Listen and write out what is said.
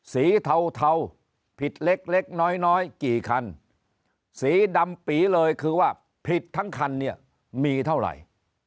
เทาผิดเล็กเล็กน้อยน้อยกี่คันสีดำปีเลยคือว่าผิดทั้งคันเนี่ยมีเท่าไหร่